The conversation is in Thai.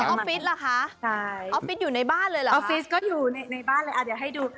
แล้วออฟฟิศล่ะคะออฟฟิศอยู่ในบ้านเลยล่ะคะออฟฟิศก็อยู่ในบ้านเลยอะเดี๋ยวให้ดู